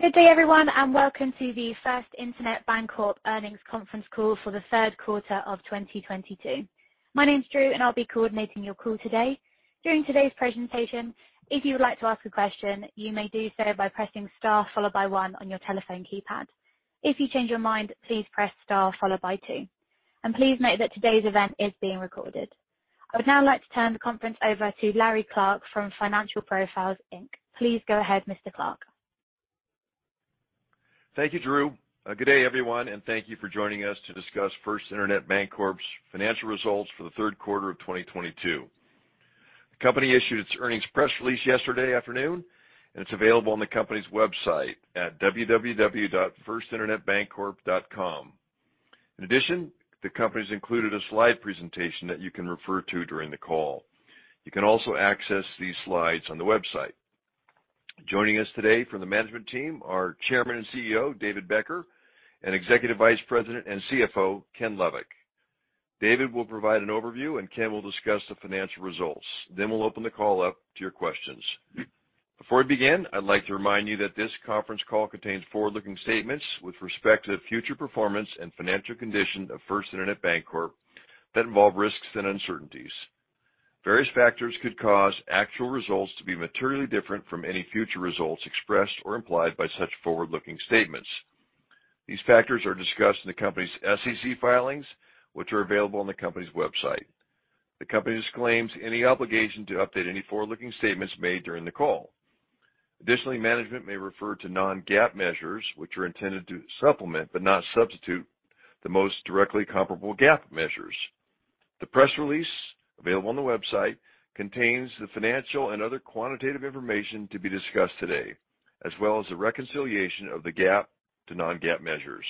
Good day, everyone, and welcome to the First Internet Bancorp earnings conference call for the third quarter of 2022. My name's Drew, and I'll be coordinating your call today. During today's presentation, if you would like to ask a question, you may do so by pressing Star followed by one on your telephone keypad. If you change your mind, please press Star followed by two. Please note that today's event is being recorded. I would now like to turn the conference over to Larry Clark from Financial Profiles, Inc. Please go ahead, Mr. Clark. Thank you, Drew. Good day, everyone, and thank you for joining us to discuss First Internet Bancorp's financial results for the third quarter of 2022. The company issued its earnings press release yesterday afternoon, and it's available on the company's website at www.firstinternetbancorp.com. In addition, the company has included a slide presentation that you can refer to during the call. You can also access these slides on the website. Joining us today from the management team are Chairman and CEO, David Becker, and Executive Vice President and CFO, Kenneth Lovik. David will provide an overview and Ken will discuss the financial results. Then we'll open the call up to your questions. Before we begin, I'd like to remind you that this conference call contains forward-looking statements with respect to the future performance and financial condition of First Internet Bancorp that involve risks and uncertainties. Various factors could cause actual results to be materially different from any future results expressed or implied by such forward-looking statements. These factors are discussed in the company's SEC filings, which are available on the company's website. The company disclaims any obligation to update any forward-looking statements made during the call. Additionally, management may refer to non-GAAP measures, which are intended to supplement, but not substitute, the most directly comparable GAAP measures. The press release available on the website contains the financial and other quantitative information to be discussed today, as well as the reconciliation of the GAAP to non-GAAP measures.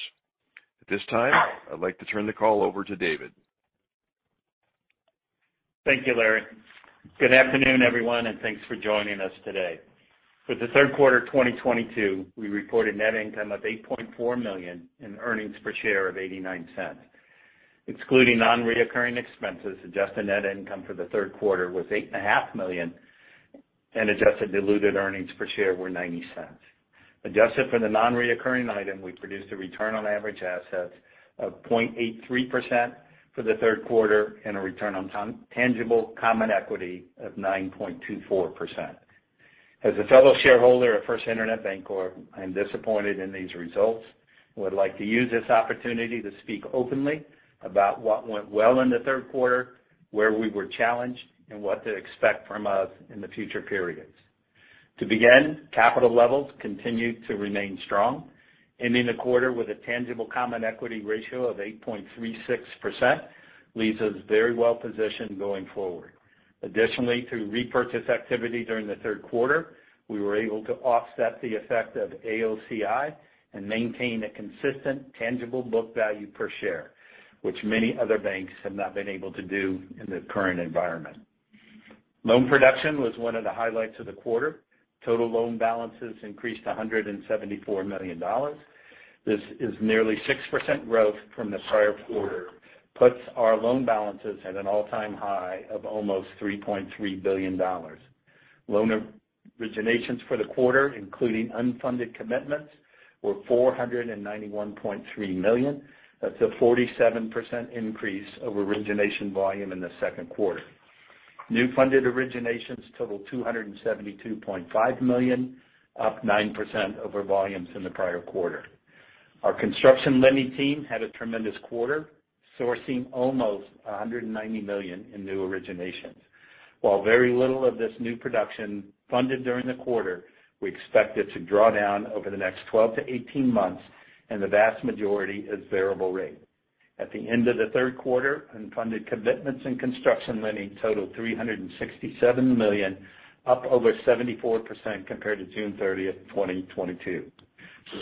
At this time, I'd like to turn the call over to David. Thank you, Larry. Good afternoon, everyone, and thanks for joining us today. For the third quarter of 2022, we reported net income of $8.4 million and earnings per share of $0.89. Excluding nonrecurring expenses, adjusted net income for the third quarter was $8.5 million and adjusted diluted earnings per share were $0.90. Adjusted for the nonrecurring item, we produced a return on average assets of 0.83% for the third quarter and a return on tangible common equity of 9.24%. As a fellow shareholder at First Internet Bancorp, I am disappointed in these results and would like to use this opportunity to speak openly about what went well in the third quarter, where we were challenged, and what to expect from us in the future periods. To begin, capital levels continued to remain strong, ending the quarter with a tangible common equity ratio of 8.36%, leaves us very well positioned going forward. Additionally, through repurchase activity during the third quarter, we were able to offset the effect of AOCI and maintain a consistent tangible book value per share, which many other banks have not been able to do in the current environment. Loan production was one of the highlights of the quarter. Total loan balances increased to $174 million. This is nearly 6% growth from the prior quarter, puts our loan balances at an all-time high of almost $3.3 billion. Loan originations for the quarter, including unfunded commitments, were $491.3 million. That's a 47% increase over origination volume in the second quarter. New funded originations totaled $272.5 million, up 9% over volumes in the prior quarter. Our construction lending team had a tremendous quarter, sourcing almost $190 million in new originations. While very little of this new production funded during the quarter, we expect it to draw down over the next 12-18 months, and the vast majority is variable rate. At the end of the third quarter, unfunded commitments in construction lending totaled $367 million, up over 74% compared to June 30, 2022,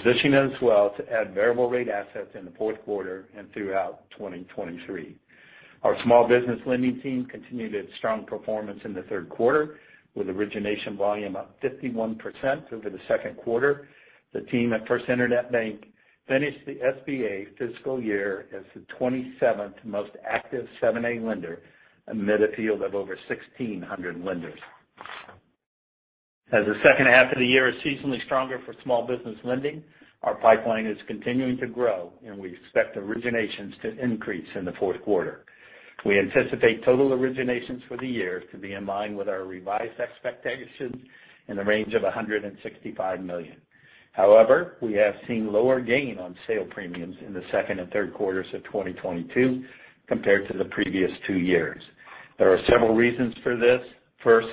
positioning us well to add variable rate assets in the fourth quarter and throughout 2023. Our small business lending team continued its strong performance in the third quarter, with origination volume up 51% over the second quarter. The team at First Internet Bank finished the SBA fiscal year as the 27th most active 7(a) lender amid a field of over 1,600 lenders. As the second half of the year is seasonally stronger for small business lending, our pipeline is continuing to grow, and we expect originations to increase in the fourth quarter. We anticipate total originations for the year to be in line with our revised expectations in the range of $165 million. However, we have seen lower gain on sale premiums in the second and third quarters of 2022 compared to the previous two years. There are several reasons for this. First,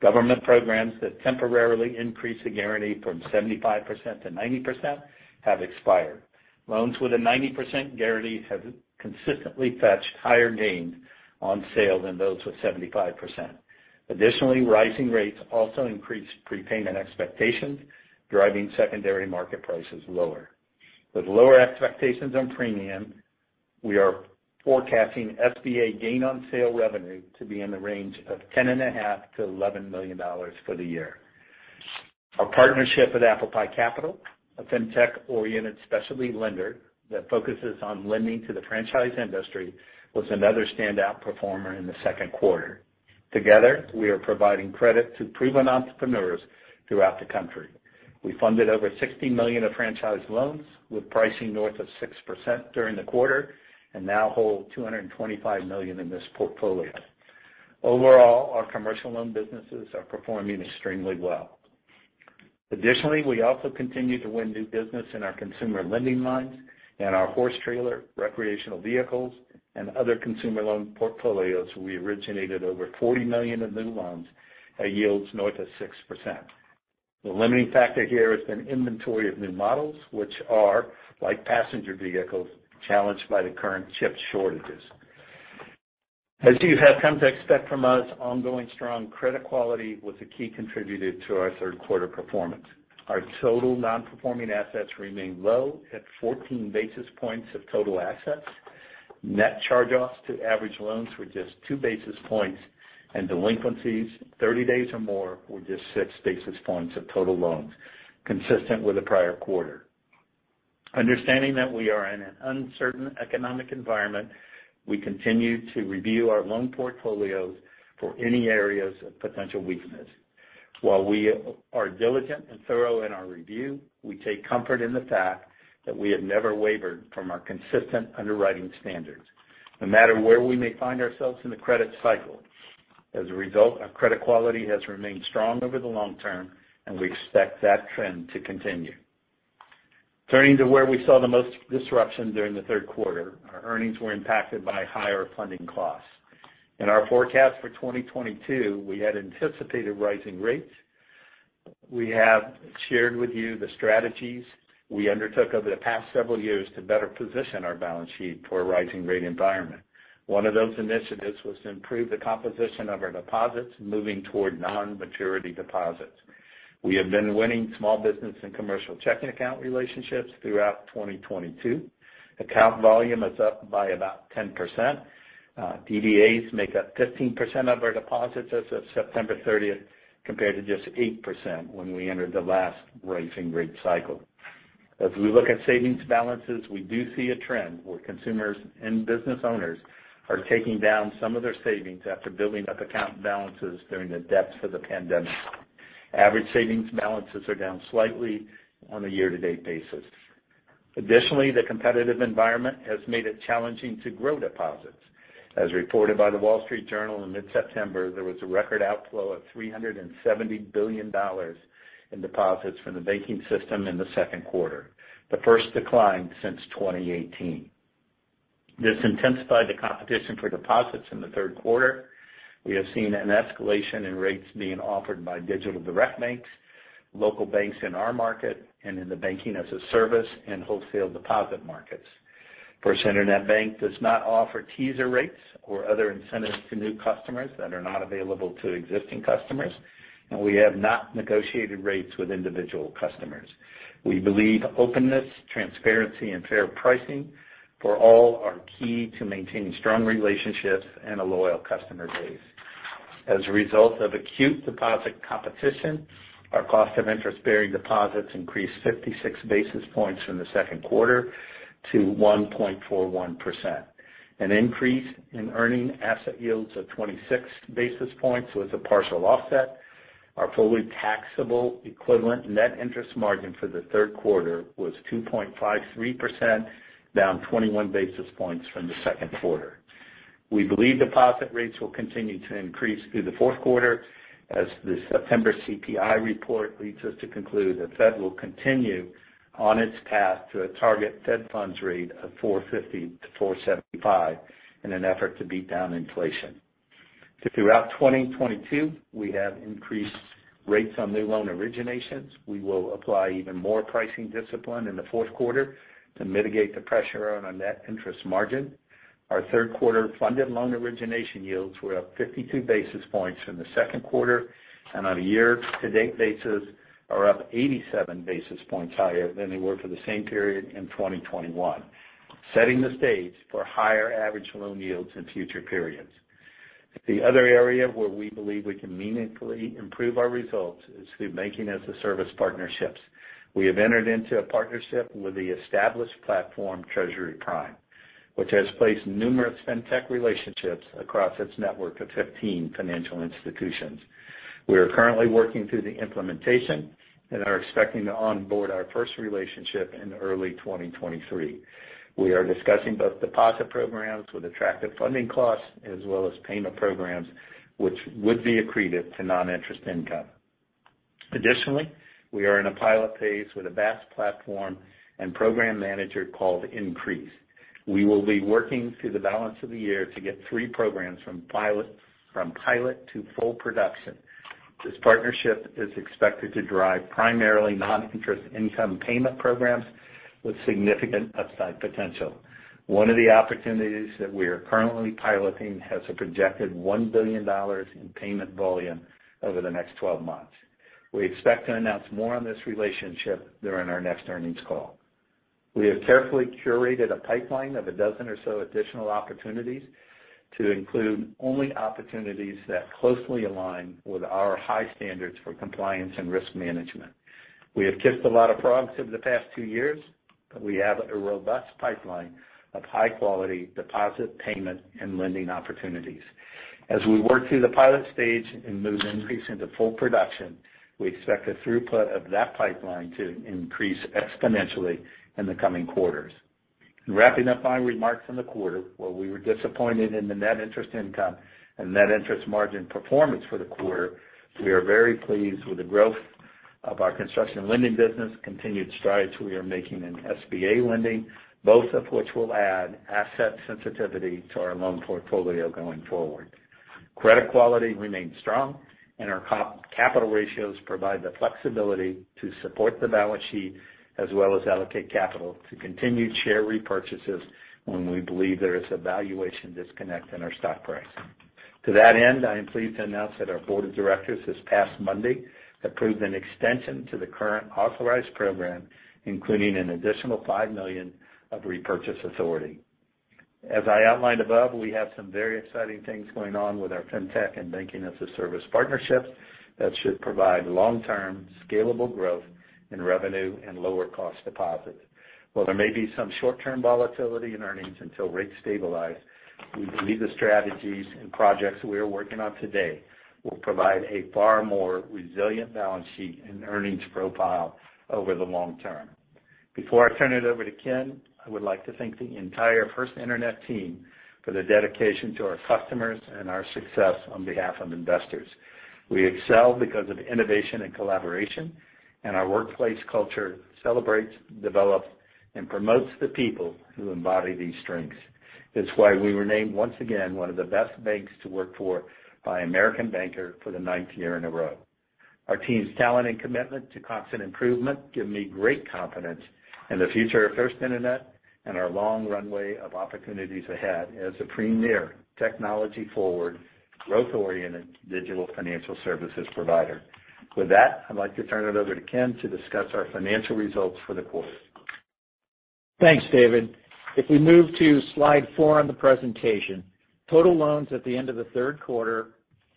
government programs that temporarily increase the guarantee from 75% to 90% have expired. Loans with a 90% guarantee have consistently fetched higher gains on sale than those with 75%. Additionally, rising rates also increased prepayment expectations, driving secondary market prices lower. With lower expectations on premium, we are forecasting SBA gain on sale revenue to be in the range of $10.5 million-$11 million for the year. Our partnership with ApplePie Capital, a fintech-oriented specialty lender that focuses on lending to the franchise industry, was another standout performer in the second quarter. Together, we are providing credit to proven entrepreneurs throughout the country. We funded over $60 million of franchise loans with pricing north of 6% during the quarter, and now hold $225 million in this portfolio. Overall, our commercial loan businesses are performing extremely well. Additionally, we also continue to win new business in our consumer lending lines and our horse trailer, recreational vehicles, and other consumer loan portfolios. We originated over $40 million of new loans at yields north of 6%. The limiting factor here has been inventory of new models, which are, like passenger vehicles, challenged by the current chip shortages. As you have come to expect from us, ongoing strong credit quality was a key contributor to our third quarter performance. Our total non-performing assets remain low at 14 basis points of total assets. Net charge-offs to average loans were just 2 basis points, and delinquencies 30 days or more were just 6 basis points of total loans, consistent with the prior quarter. Understanding that we are in an uncertain economic environment, we continue to review our loan portfolios for any areas of potential weakness. While we are diligent and thorough in our review, we take comfort in the fact that we have never wavered from our consistent underwriting standards, no matter where we may find ourselves in the credit cycle. As a result, our credit quality has remained strong over the long term, and we expect that trend to continue. Turning to where we saw the most disruption during the third quarter, our earnings were impacted by higher funding costs. In our forecast for 2022, we had anticipated rising rates. We have shared with you the strategies we undertook over the past several years to better position our balance sheet for a rising rate environment. One of those initiatives was to improve the composition of our deposits, moving toward non-maturity deposits. We have been winning small business and commercial checking account relationships throughout 2022. Account volume is up by about 10%. DDAs make up 15% of our deposits as of September 30th, compared to just 8% when we entered the last rising rate cycle. As we look at savings balances, we do see a trend where consumers and business owners are taking down some of their savings after building up account balances during the depths of the pandemic. Average savings balances are down slightly on a year-to-date basis. Additionally, the competitive environment has made it challenging to grow deposits. As reported by The Wall Street Journal in mid-September, there was a record outflow of $370 billion in deposits from the banking system in the second quarter, the first decline since 2018. This intensified the competition for deposits in the third quarter. We have seen an escalation in rates being offered by digital direct banks, local banks in our market, and in the banking-as-a-service and wholesale deposit markets. First Internet Bank does not offer teaser rates or other incentives to new customers that are not available to existing customers, and we have not negotiated rates with individual customers. We believe openness, transparency, and fair pricing for all are key to maintaining strong relationships and a loyal customer base. As a result of acute deposit competition, our cost of interest-bearing deposits increased 56 basis points from the second quarter to 1.41%. An increase in earning asset yields of 26 basis points was a partial offset. Our fully taxable equivalent net interest margin for the third quarter was 2.53%, down 21 basis points from the second quarter. We believe deposit rates will continue to increase through the fourth quarter as the September CPI report leads us to conclude the Fed will continue on its path to a target Fed funds rate of 4.50%-4.75% in an effort to beat down inflation. Throughout 2022, we have increased rates on new loan originations. We will apply even more pricing discipline in the fourth quarter to mitigate the pressure on our net interest margin. Our third quarter funded loan origination yields were up 52 basis points from the second quarter and on a year-to-date basis are up 87 basis points higher than they were for the same period in 2021, setting the stage for higher average loan yields in future periods. The other area where we believe we can meaningfully improve our results is through banking-as-a-service partnerships. We have entered into a partnership with the established platform Treasury Prime, which has placed numerous fintech relationships across its network of 15 financial institutions. We are currently working through the implementation and are expecting to onboard our first relationship in early 2023. We are discussing both deposit programs with attractive funding costs as well as payment programs which would be accretive to non-interest income. Additionally, we are in a pilot phase with a BaaS platform and program manager called Increase. We will be working through the balance of the year to get 3 programs from pilot to full production. This partnership is expected to drive primarily non-interest income payment programs with significant upside potential. One of the opportunities that we are currently piloting has a projected $1 billion in payment volume over the next 12 months. We expect to announce more on this relationship during our next earnings call. We have carefully curated a pipeline of a dozen or so additional opportunities to include only opportunities that closely align with our high standards for compliance and risk management. We have kissed a lot of frogs over the past two years. We have a robust pipeline of high-quality deposit payment and lending opportunities. As we work through the pilot stage and move Increase into full production, we expect the throughput of that pipeline to increase exponentially in the coming quarters. In wrapping up my remarks on the quarter, while we were disappointed in the net interest income and net interest margin performance for the quarter, we are very pleased with the growth of our construction lending business, continued strides we are making in SBA lending, both of which will add asset sensitivity to our loan portfolio going forward. Credit quality remains strong and our core capital ratios provide the flexibility to support the balance sheet as well as allocate capital to continued share repurchases when we believe there is a valuation disconnect in our stock price. To that end, I am pleased to announce that our board of directors this past Monday approved an extension to the current authorized program, including an additional $5 million of repurchase authority. As I outlined above, we have some very exciting things going on with our fintech and banking-as-a-service partnerships that should provide long-term scalable growth in revenue and lower cost deposits. While there may be some short-term volatility in earnings until rates stabilize, we believe the strategies and projects we are working on today will provide a far more resilient balance sheet and earnings profile over the long term. Before I turn it over to Ken, I would like to thank the entire First Internet team for their dedication to our customers and our success on behalf of investors. We excel because of innovation and collaboration, and our workplace culture celebrates, develops, and promotes the people who embody these strengths. That's why we were named, once again, one of the best banks to work for by American Banker for the ninth year in a row. Our team's talent and commitment to constant improvement give me great confidence in the future of First Internet and our long runway of opportunities ahead as a premier, technology-forward, growth-oriented digital financial services provider. With that, I'd like to turn it over to Ken to discuss our financial results for the quarter. Thanks, David. If we move to slide 4 on the presentation. Total loans at the end of the third quarter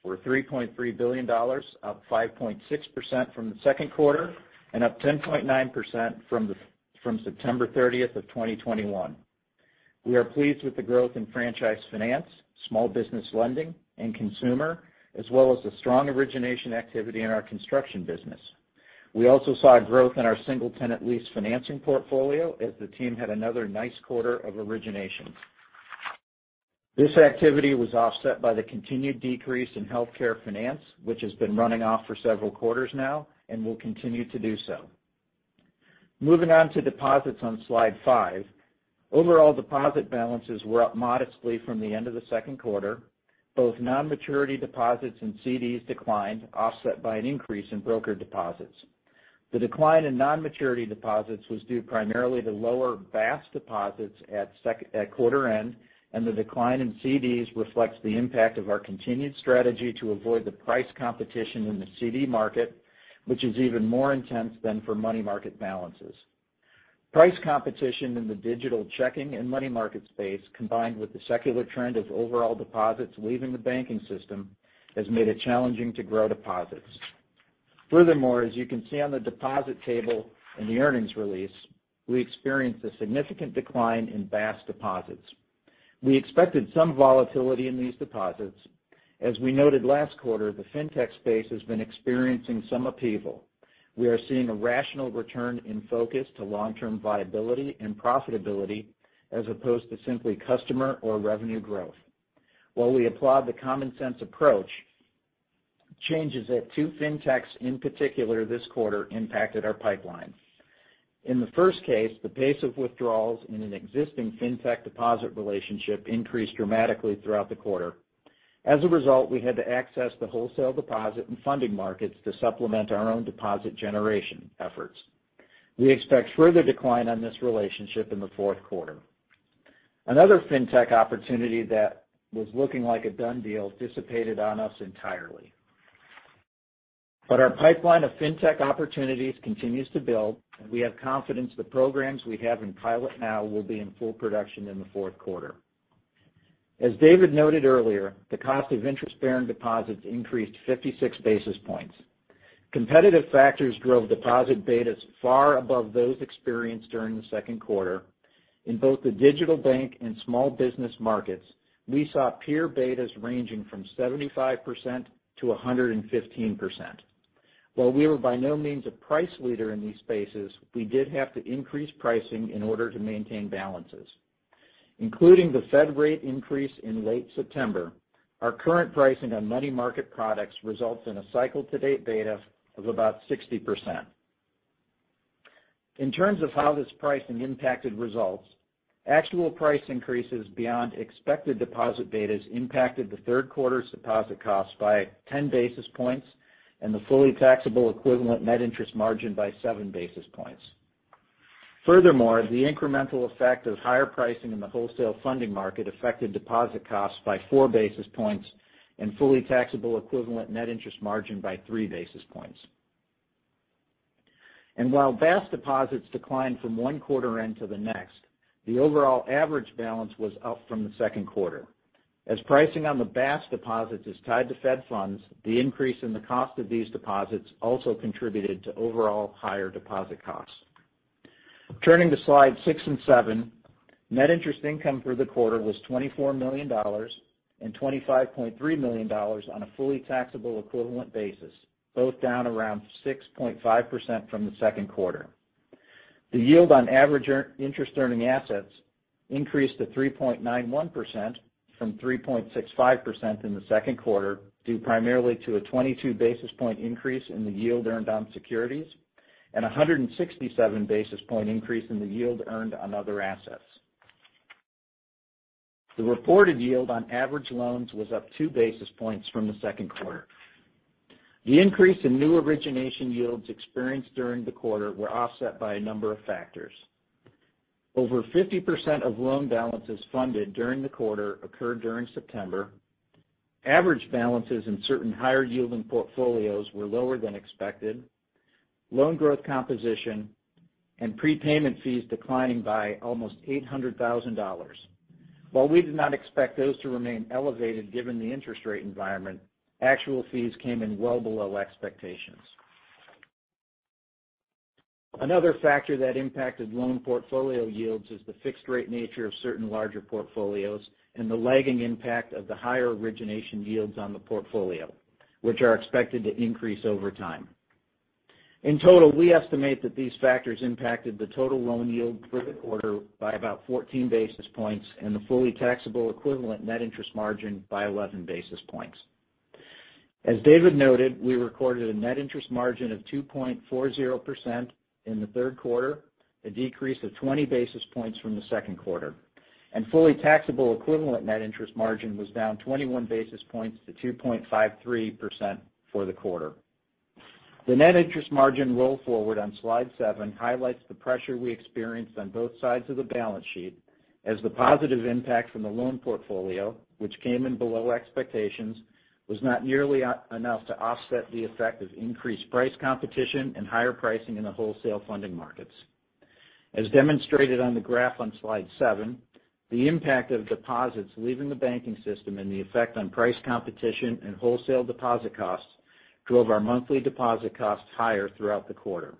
were $3.3 billion, up 5.6% from the second quarter and up 10.9% from September 30, 2021. We are pleased with the growth in franchise finance, small business lending, and consumer, as well as the strong origination activity in our construction business. We also saw growth in our single-tenant lease financing portfolio as the team had another nice quarter of originations. This activity was offset by the continued decrease in healthcare finance, which has been running off for several quarters now and will continue to do so. Moving on to deposits on slide 5. Overall deposit balances were up modestly from the end of the second quarter. Both non-maturity deposits and CDs declined, offset by an increase in broker deposits. The decline in non-maturity deposits was due primarily to lower BaaS deposits at quarter end, and the decline in CDs reflects the impact of our continued strategy to avoid the price competition in the CD market, which is even more intense than for money market balances. Price competition in the digital checking and money market space, combined with the secular trend of overall deposits leaving the banking system, has made it challenging to grow deposits. Furthermore, as you can see on the deposit table in the earnings release, we experienced a significant decline in BaaS deposits. We expected some volatility in these deposits. As we noted last quarter, the fintech space has been experiencing some upheaval. We are seeing a rational return in focus to long-term viability and profitability as opposed to simply customer or revenue growth. While we applaud the common-sense approach, changes at two fintechs in particular this quarter impacted our pipeline. In the first case, the pace of withdrawals in an existing fintech deposit relationship increased dramatically throughout the quarter. As a result, we had to access the wholesale deposit and funding markets to supplement our own deposit generation efforts. We expect further decline on this relationship in the fourth quarter. Another fintech opportunity that was looking like a done deal dissipated on us entirely. Our pipeline of fintech opportunities continues to build, and we have confidence the programs we have in pilot now will be in full production in the fourth quarter. As David noted earlier, the cost of interest-bearing deposits increased 56 basis points. Competitive factors drove deposit betas far above those experienced during the second quarter. In both the digital bank and small business markets, we saw peer betas ranging from 75% to 115%. While we were by no means a price leader in these spaces, we did have to increase pricing in order to maintain balances. Including the Fed rate increase in late September, our current pricing on money market products results in a cycle to date beta of about 60%. In terms of how this pricing impacted results, actual price increases beyond expected deposit betas impacted the third quarter's deposit costs by 10 basis points and the fully taxable equivalent net interest margin by 7 basis points. Furthermore, the incremental effect of higher pricing in the wholesale funding market affected deposit costs by 4 basis points and fully taxable equivalent net interest margin by 3 basis points. While BaaS deposits declined from 1 quarter end to the next, the overall average balance was up from the second quarter. As pricing on the BaaS deposits is tied to Fed funds, the increase in the cost of these deposits also contributed to overall higher deposit costs. Turning to slide 6 and 7, net interest income for the quarter was $24 million and $25.3 million on a fully taxable equivalent basis, both down around 6.5% from the second quarter. The yield on average interest-earning assets increased to 3.91% from 3.65% in the second quarter, due primarily to a 22 basis point increase in the yield earned on securities and a 167 basis point increase in the yield earned on other assets. The reported yield on average loans was up 2 basis points from the second quarter. The increase in new origination yields experienced during the quarter were offset by a number of factors. Over 50% of loan balances funded during the quarter occurred during September. Average balances in certain higher-yielding portfolios were lower than expected. Loan growth composition and prepayment fees declining by almost $800,000. While we did not expect those to remain elevated given the interest rate environment, actual fees came in well below expectations. Another factor that impacted loan portfolio yields is the fixed rate nature of certain larger portfolios and the lagging impact of the higher origination yields on the portfolio, which are expected to increase over time. In total, we estimate that these factors impacted the total loan yield for the quarter by about 14 basis points and the fully taxable equivalent net interest margin by 11 basis points. As David noted, we recorded a net interest margin of 2.40% in the third quarter, a decrease of 20 basis points from the second quarter, and fully taxable equivalent net interest margin was down 21 basis points to 2.53% for the quarter. The net interest margin roll forward on slide 7 highlights the pressure we experienced on both sides of the balance sheet as the positive impact from the loan portfolio, which came in below expectations, was not nearly enough to offset the effect of increased price competition and higher pricing in the wholesale funding markets. As demonstrated on the graph on slide 7, the impact of deposits leaving the banking system and the effect on price competition and wholesale deposit costs drove our monthly deposit costs higher throughout the quarter.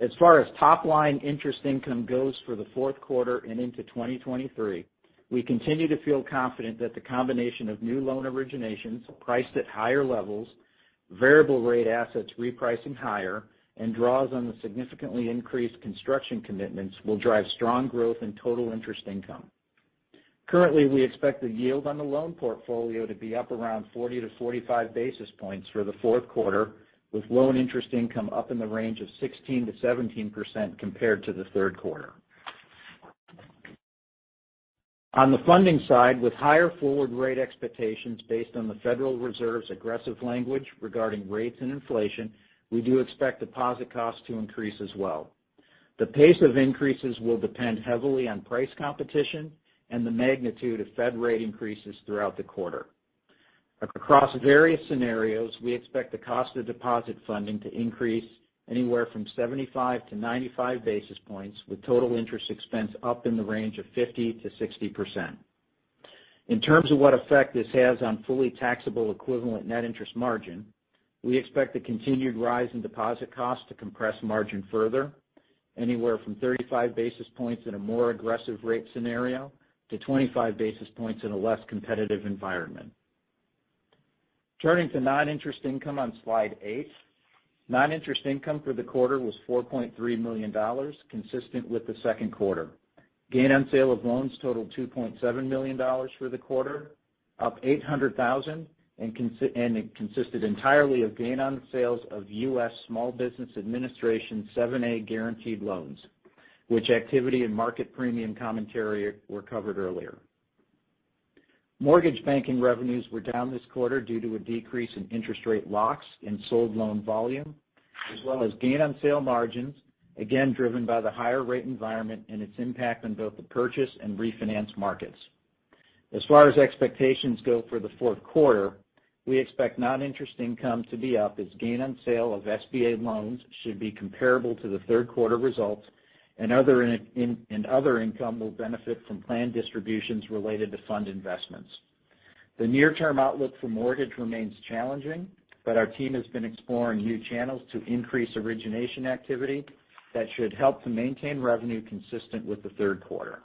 As far as top line interest income goes for the fourth quarter and into 2023, we continue to feel confident that the combination of new loan originations priced at higher levels, variable rate assets repricing higher, and draws on the significantly increased construction commitments will drive strong growth in total interest income. Currently, we expect the yield on the loan portfolio to be up around 40-45 basis points for the fourth quarter, with loan interest income up in the range of 16%-17% compared to the third quarter. On the funding side, with higher forward rate expectations based on the Federal Reserve's aggressive language regarding rates and inflation, we do expect deposit costs to increase as well. The pace of increases will depend heavily on price competition and the magnitude of Fed rate increases throughout the quarter. Across various scenarios, we expect the cost of deposit funding to increase anywhere from 75-95 basis points, with total interest expense up in the range of 50%-60%. In terms of what effect this has on fully taxable equivalent net interest margin, we expect the continued rise in deposit costs to compress margin further, anywhere from 35 basis points in a more aggressive rate scenario to 25 basis points in a less competitive environment. Turning to non-interest income on slide 8. Non-interest income for the quarter was $4.3 million, consistent with the second quarter. Gain on sale of loans totaled $2.7 million for the quarter, up $800,000, and it consisted entirely of gain on sales of U.S. Small Business Administration 7(a) Guaranteed loans, which activity and market premium commentary were covered earlier. Mortgage banking revenues were down this quarter due to a decrease in interest rate locks and sold loan volume, as well as gain on sale margins, again driven by the higher rate environment and its impact on both the purchase and refinance markets. As far as expectations go for the fourth quarter, we expect non-interest income to be up as gain on sale of SBA loans should be comparable to the third quarter results, and other income and other income will benefit from planned distributions related to fund investments. The near-term outlook for mortgage remains challenging, but our team has been exploring new channels to increase origination activity that should help to maintain revenue consistent with the third quarter.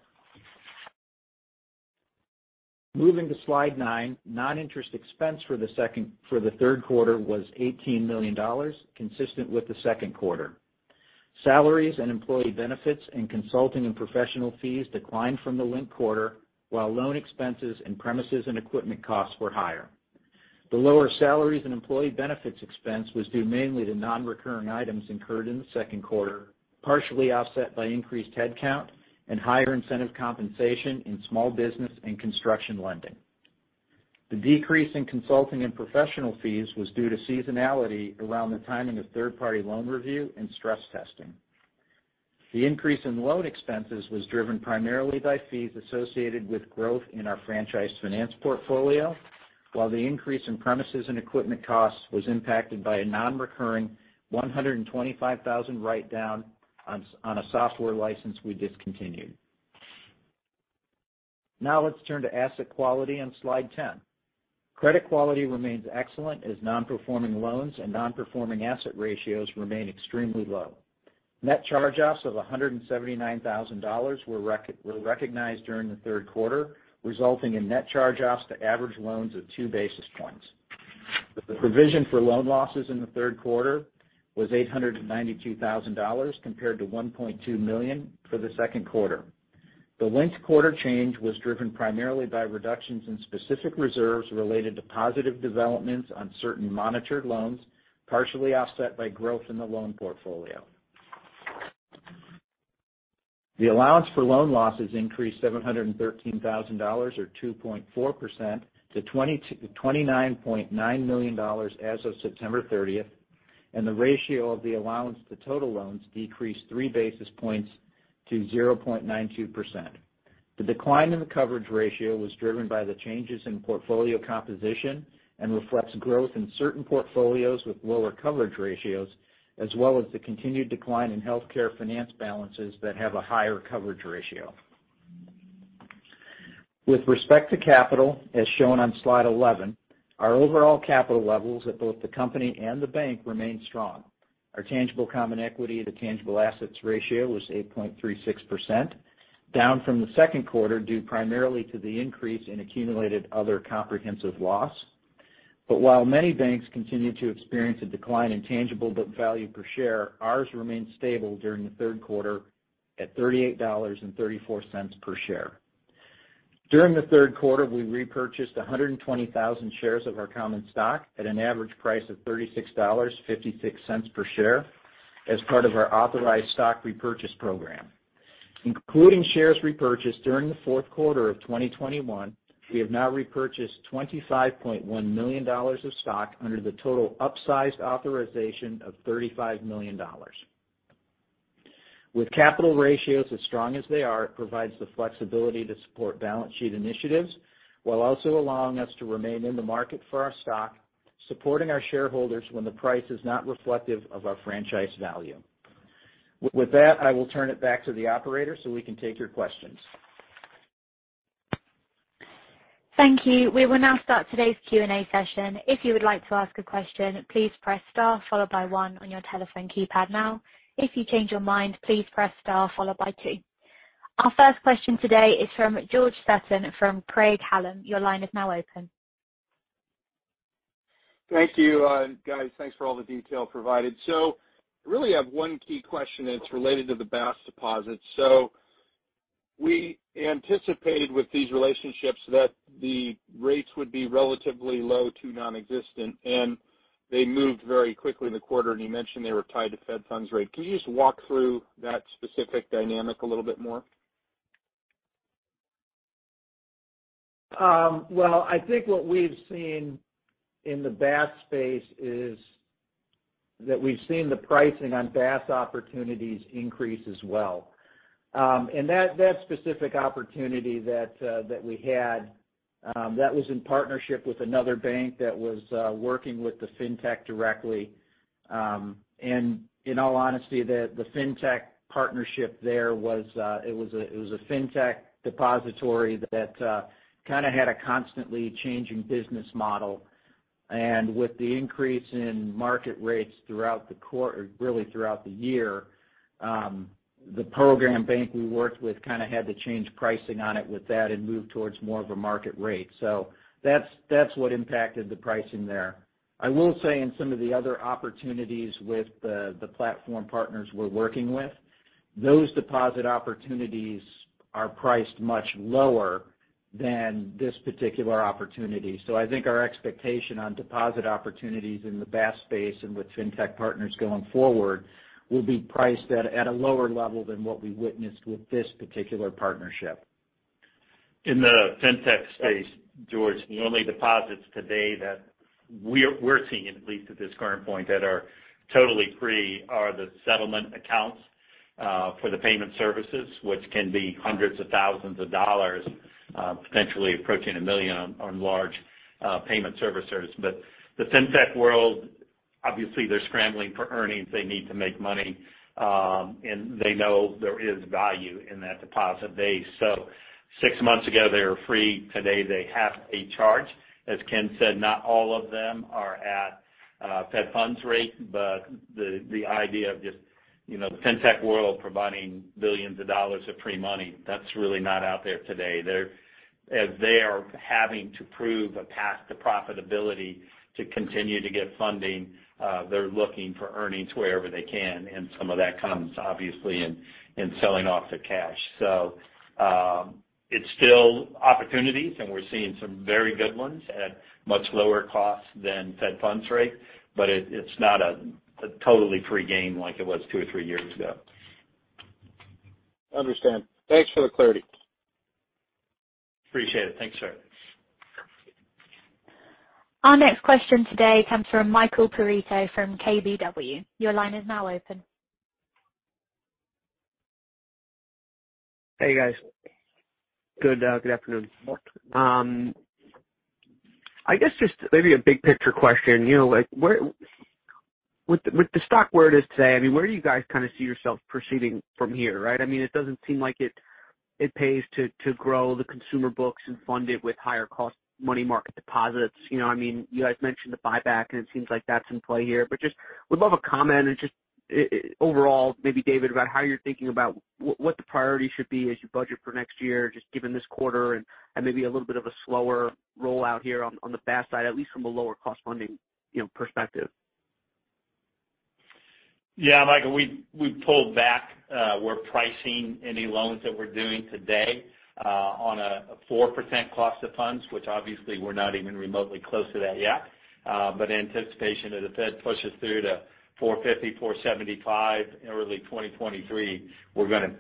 Moving to slide 9, non-interest expense for the third quarter was $18 million, consistent with the second quarter. Salaries and employee benefits and consulting and professional fees declined from the linked quarter, while loan expenses and premises and equipment costs were higher. The lower salaries and employee benefits expense was due mainly to non-recurring items incurred in the second quarter, partially offset by increased headcount and higher incentive compensation in small business and construction lending. The decrease in consulting and professional fees was due to seasonality around the timing of third-party loan review and stress testing. The increase in loan expenses was driven primarily by fees associated with growth in our franchise finance portfolio. While the increase in premises and equipment costs was impacted by a non-recurring $125,000 write-down on a software license we discontinued. Now let's turn to asset quality on slide 10. Credit quality remains excellent as non-performing loans and non-performing asset ratios remain extremely low. Net charge-offs of $179,000 were recognized during the third quarter, resulting in net charge-offs to average loans of 2 basis points. The provision for loan losses in the third quarter was $892,000 compared to $1.2 million for the second quarter. The linked quarter change was driven primarily by reductions in specific reserves related to positive developments on certain monitored loans, partially offset by growth in the loan portfolio. The allowance for loan losses increased $713,000 or 2.4% to $29.9 million as of September thirtieth, and the ratio of the allowance to total loans decreased 3 basis points to 0.92%. The decline in the coverage ratio was driven by the changes in portfolio composition and reflects growth in certain portfolios with lower coverage ratios, as well as the continued decline in healthcare finance balances that have a higher coverage ratio. With respect to capital, as shown on slide 11, our overall capital levels at both the company and the bank remain strong. Our tangible common equity to tangible assets ratio was 8.36%, down from the second quarter due primarily to the increase in accumulated other comprehensive loss. While many banks continue to experience a decline in tangible book value per share, ours remained stable during the third quarter at $38.34 per share. During the third quarter, we repurchased 120,000 shares of our common stock at an average price of $36.56 per share as part of our authorized stock repurchase program. Including shares repurchased during the fourth quarter of 2021, we have now repurchased $25.1 million of stock under the total upsized authorization of $35 million. With capital ratios as strong as they are, it provides the flexibility to support balance sheet initiatives, while also allowing us to remain in the market for our stock, supporting our shareholders when the price is not reflective of our franchise value. With that, I will turn it back to the operator, so we can take your questions. Thank you. We will now start today's Q&A session. If you would like to ask a question, please press star followed by one on your telephone keypad now. If you change your mind, please press star followed by two. Our first question today is from George Sutton from Craig-Hallum. Your line is now open. Thank you, guys, thanks for all the detail provided. Really have one key question, and it's related to the BaaS deposits. We anticipated with these relationships that the rates would be relatively low to nonexistent, and they moved very quickly in the quarter. You mentioned they were tied to Fed funds rate. Can you just walk through that specific dynamic a little bit more? Well, I think what we've seen in the BaaS space is that we've seen the pricing on BaaS opportunities increase as well. That specific opportunity that we had was in partnership with another bank that was working with the fintech directly. In all honesty, the fintech partnership there was a fintech depository that kind of had a constantly changing business model. With the increase in market rates really throughout the year, the program bank we worked with kind of had to change pricing on it with that and move towards more of a market rate. That's what impacted the pricing there. I will say in some of the other opportunities with the platform partners we're working with, those deposit opportunities are priced much lower than this particular opportunity. I think our expectation on deposit opportunities in the BaaS space and with fintech partners going forward will be priced at a lower level than what we witnessed with this particular partnership. In the fintech space, George, the only deposits today that we're seeing, at least at this current point, that are totally free are the settlement accounts for the payment services, which can be $ hundreds of thousands, potentially approaching $1 million on large payment services. The fintech world, obviously, they're scrambling for earnings. They need to make money, and they know there is value in that deposit base. Six months ago, they were free. Today, they have a charge. As Ken said, not all of them are at Fed funds rate. The idea of just, you know, the fintech world providing billions of dollars of free money, that's really not out there today. They're as they are having to prove a path to profitability to continue to get funding, they're looking for earnings wherever they can, and some of that comes obviously in selling off the cash. It's still opportunities, and we're seeing some very good ones at much lower costs than Fed funds rate, but it's not a totally free game like it was two or three years ago. Understand. Thanks for the clarity. Appreciate it. Thanks, sir. Our next question today comes from Michael Perito from KBW. Your line is now open. Hey guys. Good afternoon. I guess just maybe a big picture question. You know, like where with the stock where it is today, I mean, where do you guys kinda see yourself proceeding from here, right? I mean, it doesn't seem like it pays to grow the consumer books and fund it with higher cost money market deposits. You know, I mean, you guys mentioned the buyback and it seems like that's in play here. Just would love a comment and just overall, maybe David, about how you're thinking about what the priority should be as you budget for next year, just given this quarter and maybe a little bit of a slower rollout here on the BaaS side, at least from a lower cost funding perspective. Yeah, Michael, we pulled back. We're pricing any loans that we're doing today on a 4% cost of funds, which obviously we're not even remotely close to that yet. Anticipation of the Fed pushes through to 4.50%-4.75% in early 2023. We're gonna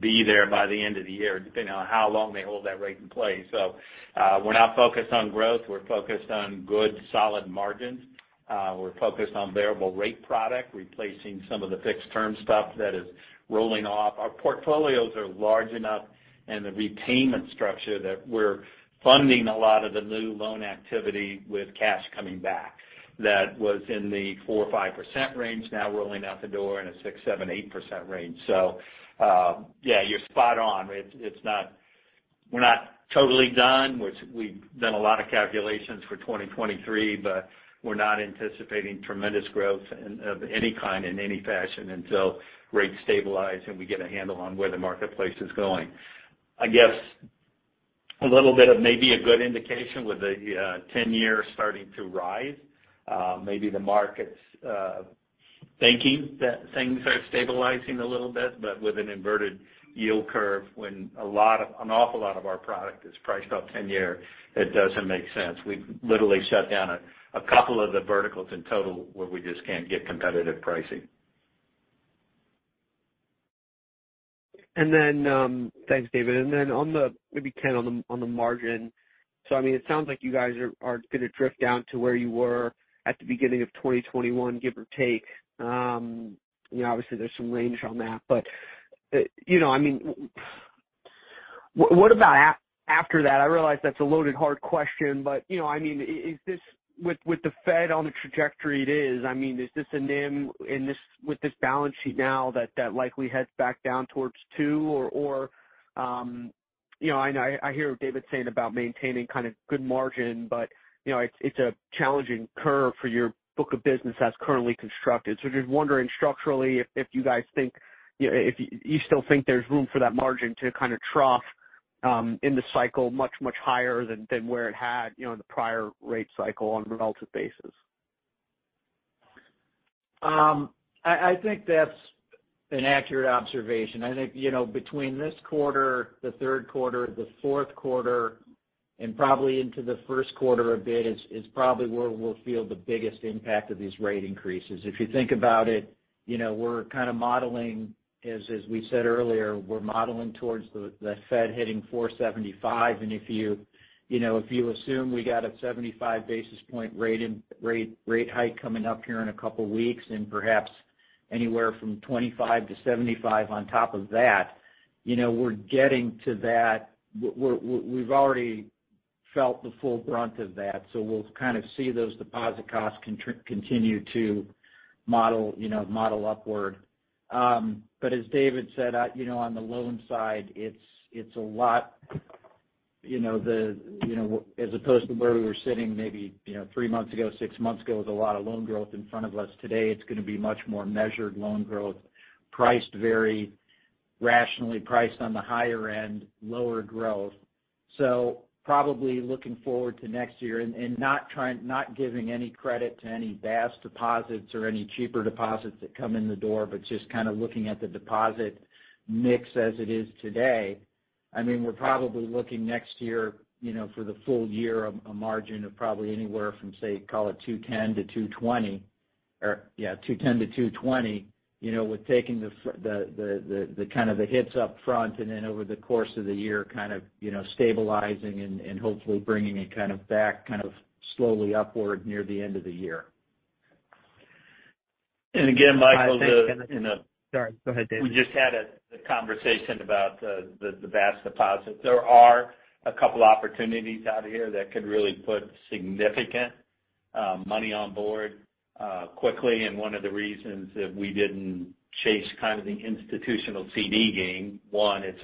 be there by the end of the year, depending on how long they hold that rate in place. We're not focused on growth. We're focused on good, solid margins. We're focused on variable rate product, replacing some of the fixed term stuff that is rolling off. Our portfolios are large enough and the repayment structure that we're funding a lot of the new loan activity with cash coming back that was in the 4%-5% range, now rolling out the door in a 6%-8% range. Yeah, you're spot on. We're not totally done. We've done a lot of calculations for 2023, but we're not anticipating tremendous growth of any kind in any fashion until rates stabilize and we get a handle on where the marketplace is going. I guess a little bit of maybe a good indication with the 10-year starting to rise. Maybe the market's thinking that things are stabilizing a little bit, but with an inverted yield curve when an awful lot of our product is priced off 10-year, it doesn't make sense. We've literally shut down a couple of the verticals in total where we just can't get competitive pricing. Thanks, David. Maybe Ken, on the margin. I mean, it sounds like you guys are gonna drift down to where you were at the beginning of 2021, give or take. You know, obviously there's some range on that. You know, I mean, what about after that? I realize that's a loaded, hard question, but you know, I mean, is this, with the Fed on the trajectory it is, I mean, is this a NIM in this with this balance sheet now that likely heads back down towards 2%? You know, I know, I hear what David's saying about maintaining kind of good margin, but you know, it's a challenging curve for your book of business as currently constructed. Just wondering structurally if you guys think, you know, if you still think there's room for that margin to kind of trough in the cycle much higher than where it had, you know, in the prior rate cycle on a relative basis. I think that's an accurate observation. I think, you know, between this quarter, the third quarter, the fourth quarter, and probably into the first quarter a bit is probably where we'll feel the biggest impact of these rate increases. If you think about it, you know, we're kind of modeling as we said earlier, we're modeling towards the Fed hitting 4.75. If you know, if you assume we got a 75 basis point rate hike coming up here in a couple weeks and perhaps anywhere from 25 to 75 on top of that, you know, we're getting to that. We've already felt the full brunt of that. So we'll kind of see those deposit costs continue to model upward. As David said, you know, on the loan side, it's a lot, you know, as opposed to where we were sitting maybe, you know, three months ago, six months ago, with a lot of loan growth in front of us. Today it's gonna be much more measured loan growth, priced very rationally, priced on the higher end, lower growth. Probably looking forward to next year and not giving any credit to any BaaS deposits or any cheaper deposits that come in the door, but just kind of looking at the deposit mix as it is today. I mean, we're probably looking next year, you know, for the full year of a margin of probably anywhere from, say, call it 2.10%-2.20%. Yeah, 2.10%-2.20%, you know, with taking the kind of hits up front and then over the course of the year, kind of, you know, stabilizing and hopefully bringing it kind of back kind of slowly upward near the end of the year. Again, Michael, the, you know Sorry. Go ahead, David. We just had a conversation about the BaaS deposits. There are a couple opportunities out here that could really put significant money on board quickly. One of the reasons that we didn't chase kind of the institutional CD game, one, it's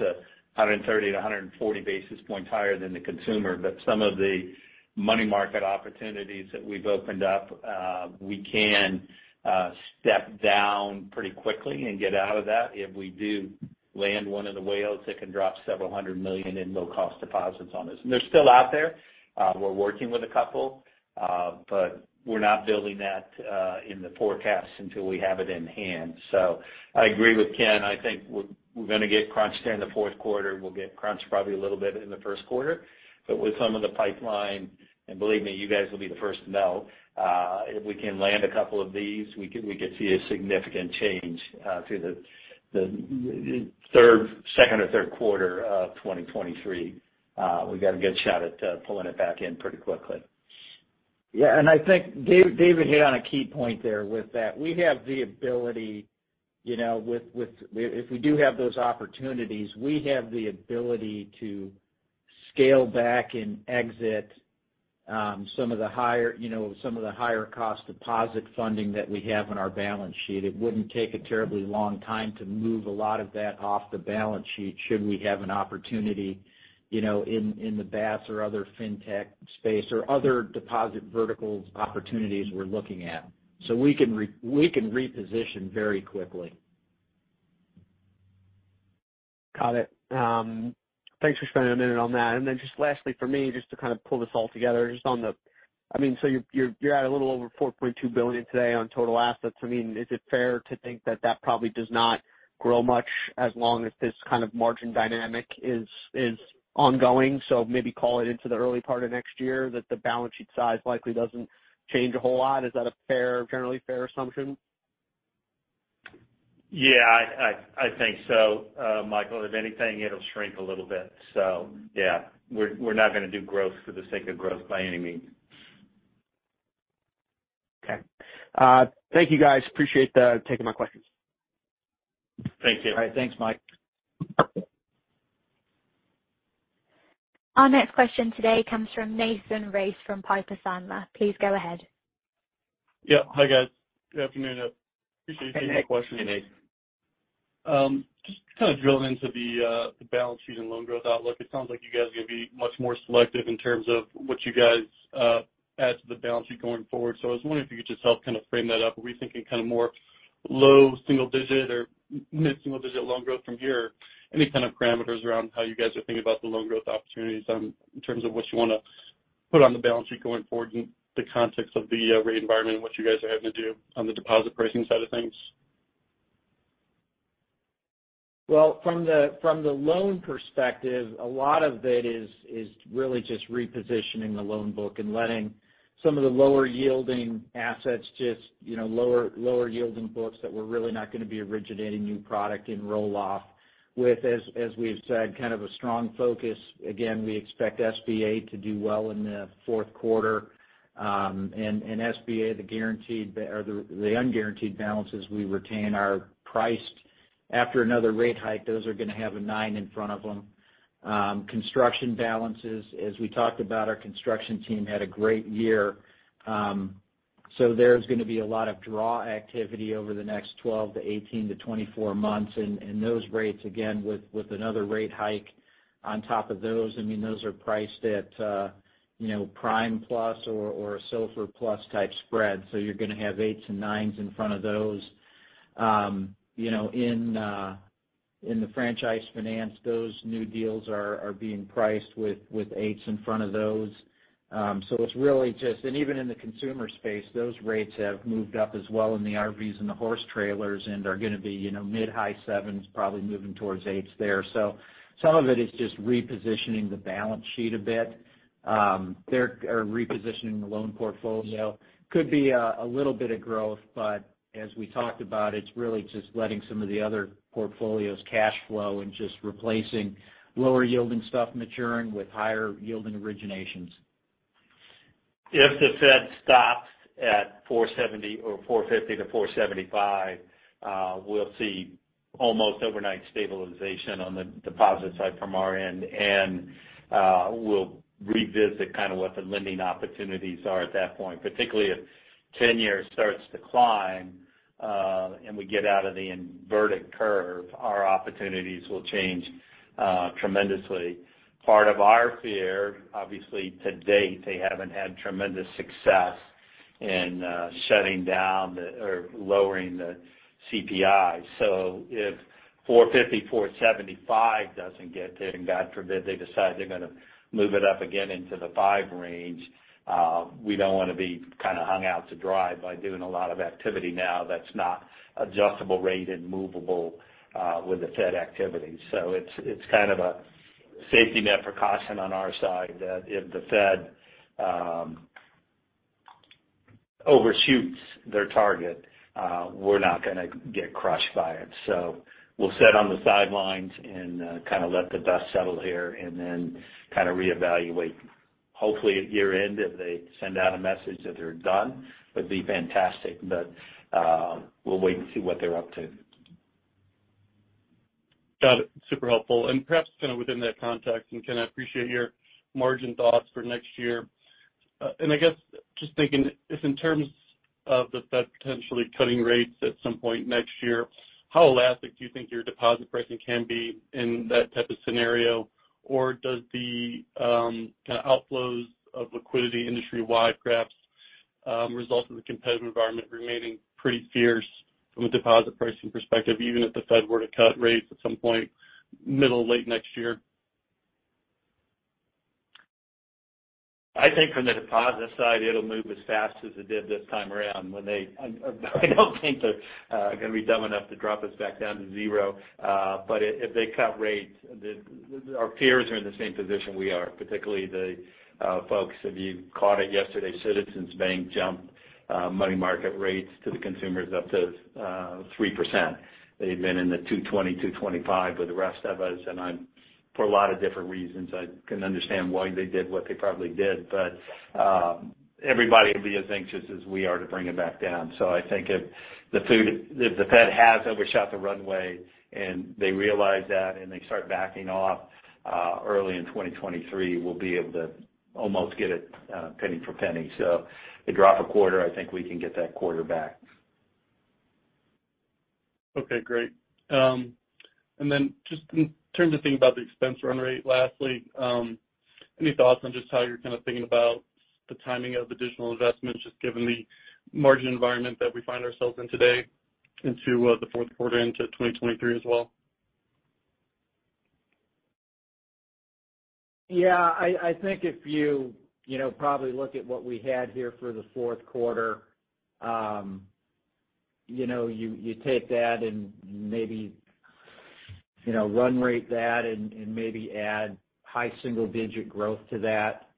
130-140 basis points higher than the consumer. Some of the money market opportunities that we've opened up, we can step down pretty quickly and get out of that. If we do land one of the whales, it can drop $several hundred million in low-cost deposits on us. They're still out there. We're working with a couple. We're not building that in the forecast until we have it in hand. I agree with Ken. I think we're gonna get crunched here in the fourth quarter. We'll get crunched probably a little bit in the first quarter. With some of the pipeline, and believe me, you guys will be the first to know, if we can land a couple of these, we could see a significant change through the second or third quarter of 2023. We've got a good shot at pulling it back in pretty quickly. Yeah, I think David hit on a key point there with that. We have the ability, you know. If we do have those opportunities, we have the ability to scale back and exit some of the higher cost deposit funding that we have on our balance sheet. It wouldn't take a terribly long time to move a lot of that off the balance sheet should we have an opportunity, you know, in the BaaS or other fintech space or other deposit verticals opportunities we're looking at. We can reposition very quickly. Got it. Thanks for spending a minute on that. Just lastly for me, just to kind of pull this all together, I mean, so you're at a little over $4.2 billion today on total assets. I mean, is it fair to think that that probably does not grow much as long as this kind of margin dynamic is ongoing? Maybe call it into the early part of next year that the balance sheet size likely doesn't change a whole lot. Is that a fair, generally fair assumption? Yeah, I think so, Michael. If anything, it'll shrink a little bit. Yeah. We're not gonna do growth for the sake of growth by any means. Okay. Thank you guys. Appreciate you taking my questions. Thank you. All right. Thanks, Mike. Our next question today comes from Nathan Race from Piper Sandler. Please go ahead. Yeah. Hi, guys. Good afternoon. Appreciate taking my questions. Hey, Nate. Just to kind of drill into the balance sheet and loan growth outlook, it sounds like you guys are gonna be much more selective in terms of what you guys add to the balance sheet going forward. I was wondering if you could just help kind of frame that up. Are we thinking kind of more low single digit or mid single digit loan growth from here? Any kind of parameters around how you guys are thinking about the loan growth opportunities, in terms of what you wanna put on the balance sheet going forward in the context of the rate environment and what you guys are having to do on the deposit pricing side of things? Well, from the loan perspective, a lot of it is really just repositioning the loan book and letting some of the lower yielding assets just, you know, lower yielding books that we're really not gonna be originating new product and roll off with, as we've said, kind of a strong focus. Again, we expect SBA to do well in the fourth quarter. And SBA, the guaranteed or the unguaranteed balances we retain are priced. After another rate hike, those are gonna have a nine in front of them. Construction balances, as we talked about, our construction team had a great year. There's gonna be a lot of draw activity over the next 12 to 18 to 24 months. Those rates, again, with another rate hike on top of those, I mean, those are priced at, you know, prime plus or SOFR plus type spread. You're gonna have eights and nines in front of those. You know, in the franchise finance, those new deals are being priced with eights in front of those. It's really just, even in the consumer space, those rates have moved up as well in the RVs and the horse trailers and are gonna be, you know, mid-high sevens, probably moving towards eights there. Some of it is just repositioning the balance sheet a bit or repositioning the loan portfolio. Could be a little bit of growth, but as we talked about, it's really just letting some of the other portfolios cash flow and just replacing lower yielding stuff maturing with higher yielding originations. If the Fed stops at 4.70 or 4.50-4.75, we'll see almost overnight stabilization on the deposit side from our end. We'll revisit kind of what the lending opportunities are at that point, particularly if 10-year starts to climb, and we get out of the inverted curve, our opportunities will change tremendously. Part of our fear, obviously, to date, they haven't had tremendous success in shutting down or lowering the CPI. If 4.50-4.75 doesn't get it, and God forbid, they decide they're gonna move it up again into the 5 range, we don't wanna be kinda hung out to dry by doing a lot of activity now that's not adjustable rate and movable with the Fed activity. It's kind of a safety net precaution on our side that if the Fed overshoots their target, we're not gonna get crushed by it. We'll sit on the sidelines and kind of let the dust settle here and then kind of reevaluate. Hopefully at year-end, if they send out a message that they're done, would be fantastic, but we'll wait and see what they're up to. Got it. Super helpful. Perhaps kind of within that context, and Ken, I appreciate your margin thoughts for next year. I guess just thinking if in terms of the Fed potentially cutting rates at some point next year, how elastic do you think your deposit pricing can be in that type of scenario? Or does the kinda outflows of liquidity industry-wide perhaps result in the competitive environment remaining pretty fierce from a deposit pricing perspective, even if the Fed were to cut rates at some point middle, late next year? I think from the deposit side, it'll move as fast as it did this time around. I don't think they're gonna be dumb enough to drop us back down to zero. If they cut rates, our peers are in the same position we are, particularly the folks if you caught it yesterday. Citizens Bank jumped money market rates to the consumers up to 3%. They've been in the 2.20, 2.25 with the rest of us. For a lot of different reasons, I can understand why they did what they probably did. Everybody will be as anxious as we are to bring it back down. I think if the Fed has overshot the runway and they realize that, and they start backing off early in 2023, we'll be able to almost get it penny for penny. They drop a quarter, I think we can get that quarter back. Okay, great. Just in terms of thinking about the expense run rate, lastly, any thoughts on just how you're kind of thinking about the timing of additional investments, just given the margin environment that we find ourselves in today into the fourth quarter into 2023 as well? Yeah, I think if you know probably look at what we had here for the fourth quarter, you know you take that and maybe you know run rate that and maybe add high single digit growth to that,